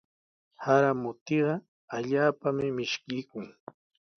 Sara mutiqa allaapami mishkiykun.